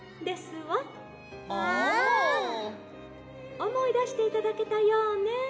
「おもいだしていただけたようね。